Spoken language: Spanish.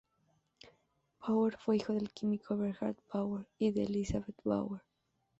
Brauer fue hijo del químico Eberhard Brauer y de Elisabeth Brauer.